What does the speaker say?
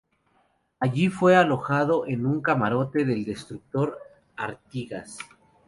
Allí fue alojado en un camarote del destructor Artigas.